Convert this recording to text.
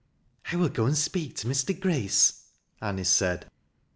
''" I will go and speak to Mr. Grace," Anice said.